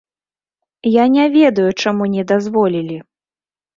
Я не ведаю, чаму не дазволілі.